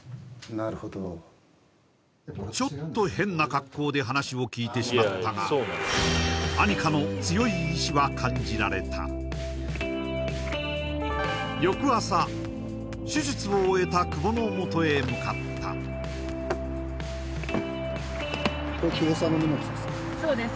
なるほどちょっと変な格好で話を聞いてしまったが杏夏の強い意志は感じられた翌朝手術を終えた久保のもとへ向かったそうです